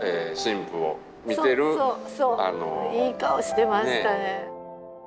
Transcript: いい顔してましたね。